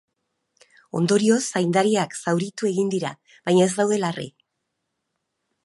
Ondorioz, zaindariak zauritu egin dira, baina ez daude larri.